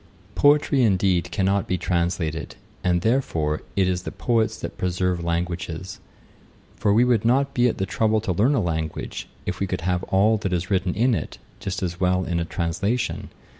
Poetry, indeed, cannot be translated; and, therefore, it is the poets that preserve languages; for we would not be at the trouble to learn a language, if we could have all that is written in it just as well in a translation.